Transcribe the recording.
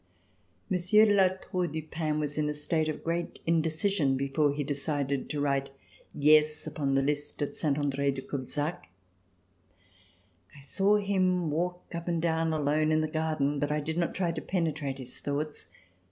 Monsieur de La Tour du Pin was in a state of great indecision before he decided to write "yes" ui)on the list at Saint Andre de Cubzac. I saw him walk up and down alone in the garden, but I did not try to penetrate his thoughts.